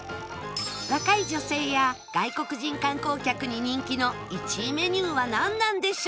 若い女性や外国人観光客に人気の１位メニューはなんなんでしょう？